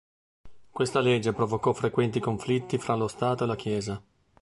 Questa legge provocò frequenti conflitti fra lo Stato e la Chiesa.